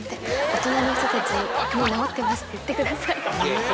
「大人の人たちに『もう治ってます』って言ってください」。